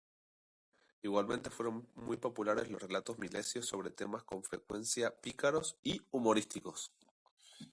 Igualmente fueron muy populares los relatos milesios sobre temas con frecuencia pícaros y humorísticos.